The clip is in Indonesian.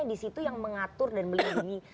yang disitu yang mengatur dan melindungi